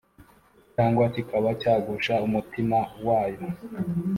cyangwa kikaba cyagusha umutima wayo.